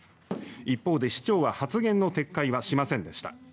一方で市長は発言の撤回はしませんでした。